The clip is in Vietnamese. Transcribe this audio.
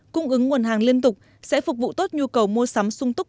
cung ứng nguồn hàng liên tục sẽ phục vụ tốt nhu cầu mua sắm sung túc